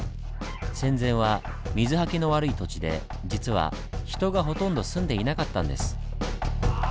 戦前は水はけの悪い土地で実は人がほとんど住んでいなかったんです。